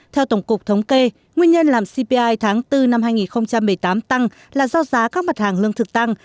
theo tổng cục thống kê nguyên nhân làm cpi tháng bốn năm hai nghìn một mươi tám tăng là do giá các mặt hàng lương thực tăng